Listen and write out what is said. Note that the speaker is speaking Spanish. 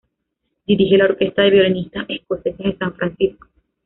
Dirige la orquesta de violinistas escoceses de San Francisco.